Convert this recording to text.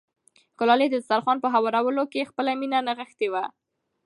ګلالۍ د دسترخوان په هوارولو کې خپله مینه نغښتې وه.